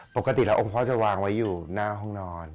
ปกติแล้วองค์พ่อจะวางไว้อยู่หน้าห้องนอน